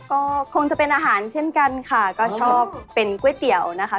ก็คงจะเป็นอาหารเช่นกันค่ะก็ชอบเป็นก๋วยเตี๋ยวนะคะ